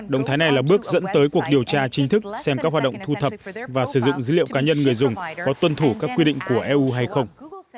động thái này là bước dẫn tới cuộc điều tra chính thức xem các hoạt động thu thập và sử dụng dữ liệu cá nhân người dùng có tuân thủ các quy định của eu hay không